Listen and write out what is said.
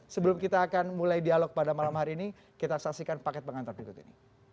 sebelum kita akan mulai dialog pada malam hari ini kita saksikan paket pengantar berikut ini